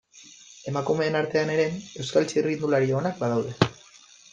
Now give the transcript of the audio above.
Emakumeen artean ere, Euskal txirrindulari onak badaude.